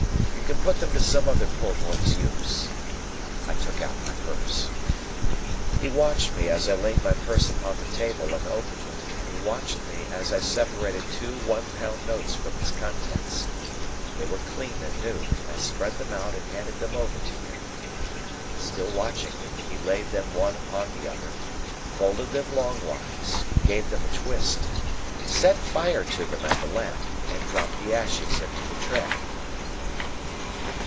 You can put them to some other poor boy's use." I took out my purse. He watched me as I laid my purse upon the table and opened it, and he watched me as I separated two one pound notes from its contents. They were clean and new, and I spread them out and handed them over to him. Still watching me, he laid them one upon the other, folded them long wise, gave them a twist, set fire to them at the lamp, and dropped the ashes into the tray.